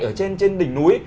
ở trên đỉnh núi